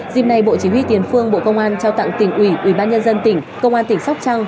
dịp này bộ chỉ huy tiền phương bộ công an trao tặng tỉnh ủy ủy ban nhân dân tỉnh công an tỉnh sóc trăng